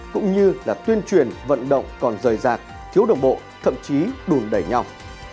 cũng như là tuyên truyền vận động còn rời rạc thiếu đồng bộ thậm chí đùn đẩy nhau